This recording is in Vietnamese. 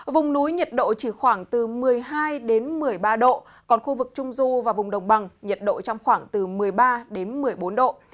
vùng núi nhiệt độ chỉ khoảng từ một mươi hai một mươi ba độ còn khu vực trung du và vùng đồng bằng nhiệt độ trong khoảng từ một mươi ba đến một mươi bốn độ